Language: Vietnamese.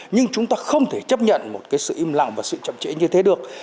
nhưng chúng ta không thể chấp nhận một cái sự im lặng và sự chậm trễ như thế được